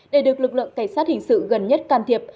để được lực lượng cảnh sát hình sự gần nhất can thiệp